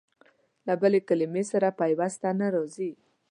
له بلې کلمې سره پيوسته نه راځي.